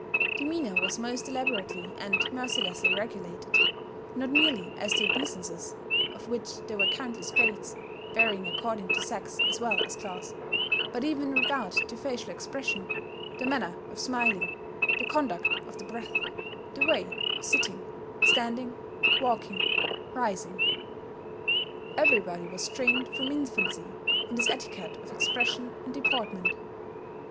Demeanour was most elaborately and mercilessly regulated, not merely as to obeisances, of which there were countless grades, varying according to sex as well as class, but even in regard to facial expression, the manner of smiling, the conduct of the breath, the way of sitting, standing, walking, rising. Everybody was trained from infancy in this etiquette of expression and deportment.